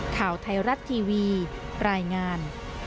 ข่าวไทยรัฐทีวีรายงาน